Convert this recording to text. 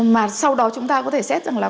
mà sau đó chúng ta có thể xét rằng là